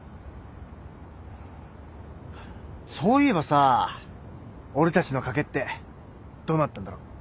そういえばさ俺たちの賭けってどうなったんだろう？